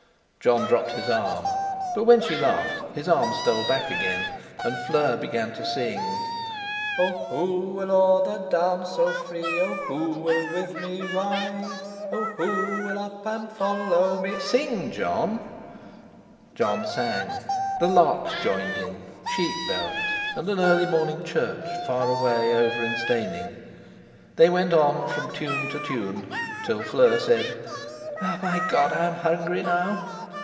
Jon dropped his arm. But when she laughed his arm stole back again; and Fleur began to sing: "O who will oer the downs so free, O who will with me ride? O who will up and follow me— " "Sing, Jon!" Jon sang. The larks joined in, sheep bells, and an early morning church far away over in Steyning. They went on from tune to tune, till Fleur said: "My God! I am hungry now!"